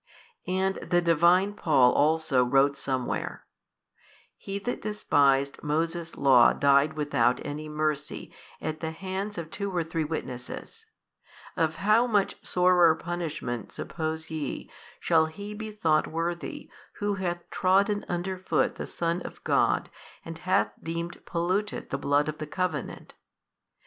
And the Divine Paul also wrote somewhere, He that despised Moses' Law died without any mercy at the hands of two or three witnesses; of how much sorer punishment, suppose ye, shall he be thought worthy who hath trodden under foot the Son of God and hath deemed polluted the Blood of the Covenant?